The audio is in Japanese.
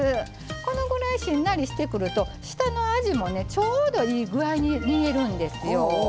このぐらいしんなりしてくると下のあじも、ちょうどいい具合に煮えるんですよ。